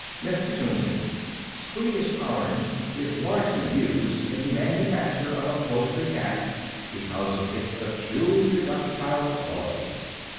MISS PETUNIA: Swedish iron is largely used in the manufacture of upholstery tacks because of its peculiar ductile qualities.